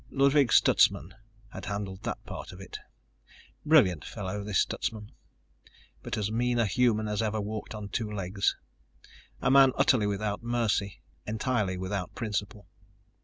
Ludwig Stutsman had handled that part of it. Brilliant fellow, this Stutsman, but as mean a human as ever walked on two legs. A man utterly without mercy, entirely without principle.